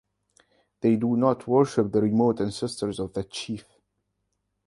They do not worship the remote ancestors of that chief.